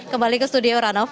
kembali ke studio ranoff